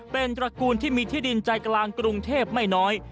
เป็นตระกูลที่มีที่ดินใจกลางกรุงเทพไม่น้อย